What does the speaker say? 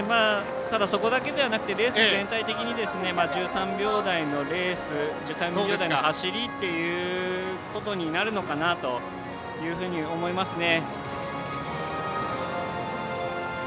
ただ、そこだけではなくてレース全体的に１３秒台のレース１３秒台の走りということになるのかなというふうに思いますね。